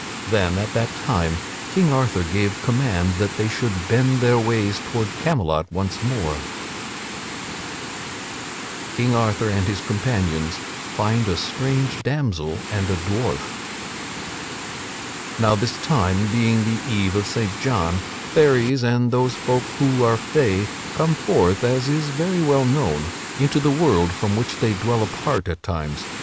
Then, at that time, King Arthur gave command that they should bend their ways toward Camelot once more. [Sidenote: King Arthur and his companions find a strange damsel and a dwarf] Now this time, being the Eve of Saint John, fairies and those folk who are fay come forth, as is very well known, into the world from which they dwell apart at other times.